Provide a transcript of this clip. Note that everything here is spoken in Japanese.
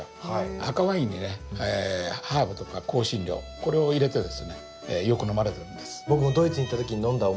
赤ワインにねハーブとか香辛料これを入れてですねよく飲まれてるんです。